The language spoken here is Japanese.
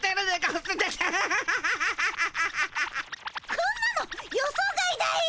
こんなの予想外だよ